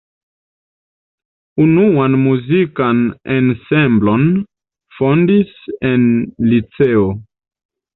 Unuan muzikan ensemblon fondis en liceo.